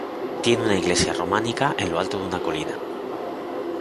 Tiene una iglesia románica en lo alto de una colina.